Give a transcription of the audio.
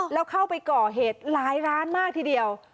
แล้วเข้าไปก่อเหตุหลายร้านมากทีเดียว